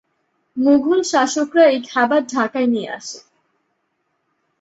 মুঘল শাসকরা এই খাবার ঢাকায় নিয়ে আসে।